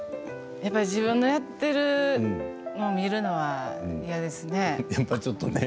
やっぱり自分のやっているのを見るのは嫌ですね。